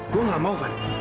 gue nggak mau fad